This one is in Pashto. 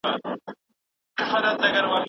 ستړې اروا دې په هغو ګلابو ښاده اوسه